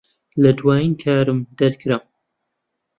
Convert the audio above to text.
لە دوایین کارم دەرکرام.